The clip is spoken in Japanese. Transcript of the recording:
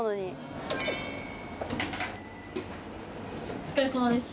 お疲れさまです。